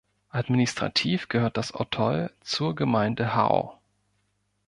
Administrativ gehört das Atoll zur Gemeinde Hao.